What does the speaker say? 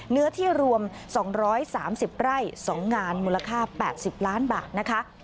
เนื้อที่รวม๒๓๐ไร่๒งานมูลค่า๘๐ล้านบาทนะคะ